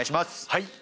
はい。